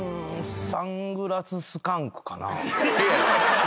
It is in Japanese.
サングラススカンクかな？